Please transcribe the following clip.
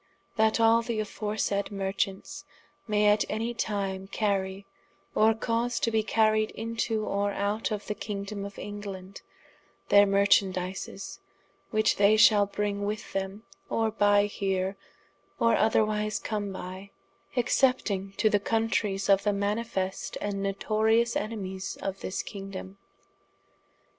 ] _That all the aforesaide Marchants may at any time carrie, or cause to bee carried into or out of the kingdome of England, their marchandizes, which they shall bring with them, or buy here or otherwise come by, excepting to the countreyes of the manifest and notorious enemies of this kingdome.